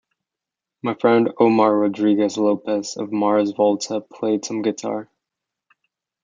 My friend Omar Rodriguez-Lopez of the Mars Volta played some guitar.